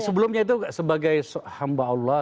sebelumnya itu sebagai hamba allah